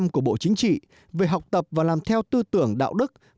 của bộ chính trị về học tập và làm theo tư tưởng đạo đức